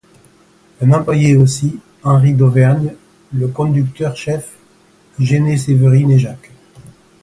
Un employé aussi, Henri Dauvergne, le conducteur-chef, gênait Séverine et Jacques.